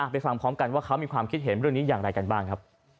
ไปฟังพร้อมกันว่าเขามีความคิดเห็นเรื่องนี้อย่างไรกันบ้างครับ